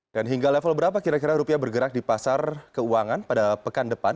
dan hingga level berapa kira kira rupiah bergerak di pasar keuangan pada pekan depan